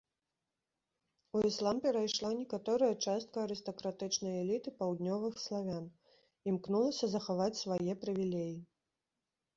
У іслам перайшла некаторая частка арыстакратычнай эліты паўднёвых славян, імкнулася захаваць свае прывілеі.